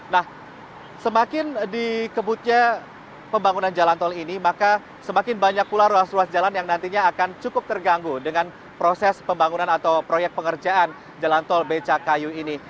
nah semakin dikebutnya pembangunan jalan tol ini maka semakin banyak pula ruas ruas jalan yang nantinya akan cukup terganggu dengan proses pembangunan atau proyek pengerjaan jalan tol becakayu ini